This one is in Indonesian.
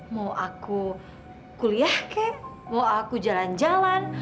mau aku kuliah kek mau aku jalan jalan